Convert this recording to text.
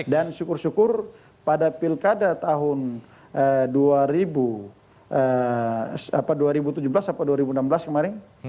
dan syukur syukur pada pilkada tahun dua ribu tujuh belas atau dua ribu enam belas kemarin